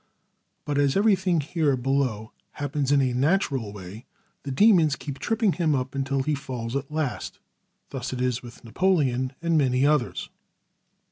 But as everything here below happens in a natural way, the dæmons keep tripping him up until he falls at last. Thus it was with Napoleon, and many others.